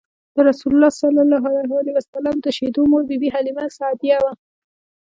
رسول الله ﷺ د شیدو مور بی بی حلیمه سعدیه وه.